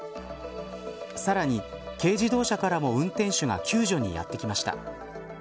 さらに軽自動車からも運転手が救助にやってきました。